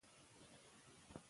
روڼتیا په مالي چارو کې مهمه ده.